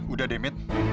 udah deh mit